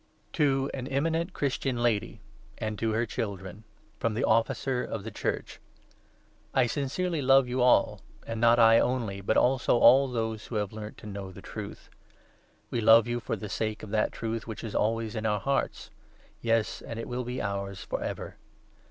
FROM JOHN. II. To an eminent Christian Lady, I AND TO her Children, FROM the Officer of the Church. I sincerely love you all, and not I only, but also all those who have learnt to know the Truth. We love you for the sake 2 of that Truth which is always in our hearts ; yes, and it will be ours for ever.